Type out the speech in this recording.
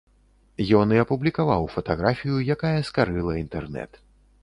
Ён і апублікаваў фатаграфію, якая скарыла інтэрнэт.